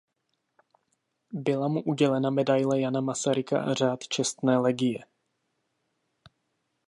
Byla mu udělena Medaile Jana Masaryka a Řád Čestné legie.